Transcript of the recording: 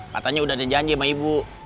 katanya udah ada janji sama ibu